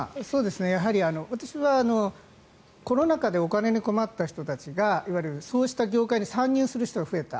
やはり私はコロナ禍でお金に困った人たちがいわゆる、そうした業界に参入する人が増えた。